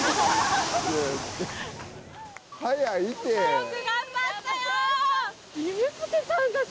よく頑張ったよ！